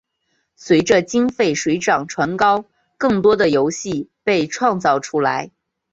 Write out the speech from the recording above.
随着经费水涨船高更多的游戏被创造出来。